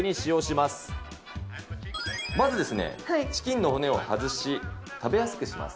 まず、チキンの骨を外し、食べやすくします。